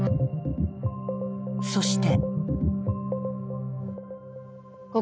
そして。